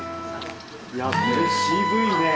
いやこれ渋いね。